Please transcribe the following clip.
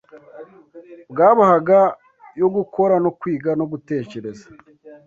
bwabahaga yo gukora no kwiga no gutekereza,